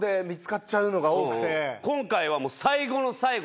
今回は。